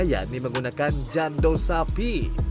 yakni menggunakan jandol sapi